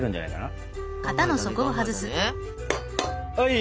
はい！